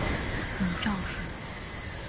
母赵氏。